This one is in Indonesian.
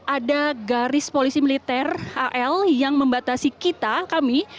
ada garis polisi militer al yang membatasi kita kami